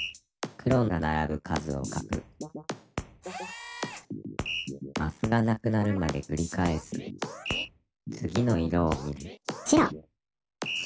黒がならぶ数を書くマスがなくなるまでくり返す次の色を見る「白」。